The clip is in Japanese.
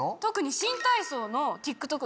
新体操のＴｉｋＴｏｋ？